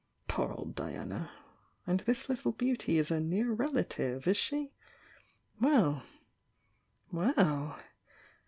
Poor old Diana! And this little beauty is a 'near relative,' is she? Well — well!